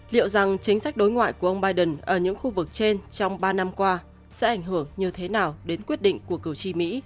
liệu rằng chính sách đối ngoại của ông biden ở những khu vực trên trong ba năm qua sẽ ảnh hưởng như thế nào đến quyết định của cử tri mỹ